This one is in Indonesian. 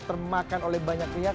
termakan oleh banyak rakyat